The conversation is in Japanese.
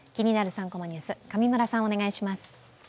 ３コマニュース」、上村さん、お願いします。